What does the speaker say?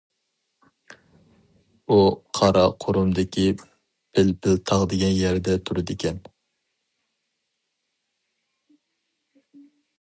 ئۇ قارا قۇرۇمدىكى پىلپىل تاغ دېگەن يەردە تۇرىدىكەن.